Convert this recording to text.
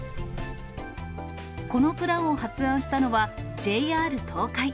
このプランを発案したのは、ＪＲ東海。